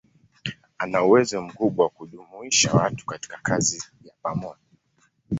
Ana uwezo mkubwa wa kujumuisha watu katika kazi ya pamoja.